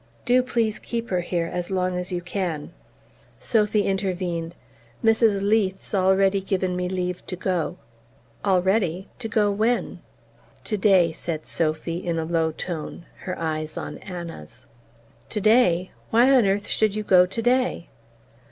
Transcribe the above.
"Do please keep her here as long as you can!" Sophy intervened: "Mrs. Leath's already given me leave to go." "Already? To go when?" "Today," said Sophy in a low tone, her eyes on Anna's. "Today? Why on earth should you go today?"